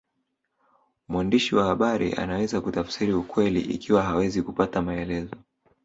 Mwandishi wa habari anaweza kutafsiri ukweli ikiwa hawezi kupata maelezo